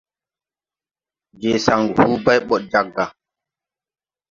Je saŋgu hu bay ɓay ɓɔd jag gà.